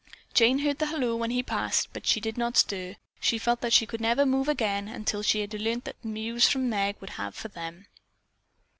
Jane heard the halloo when he passed, but she did not stir. She felt that she never could move again until she had learned the news that Meg would have for them.